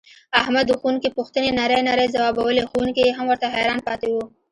احمد د ښوونکي پوښتنې نرۍ نرۍ ځواوبولې ښوونکی یې هم ورته حیران پاتې و.